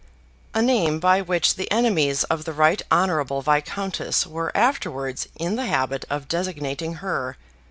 a name by which the enemies of the right honorable Viscountess were afterwards in the habit of designating her.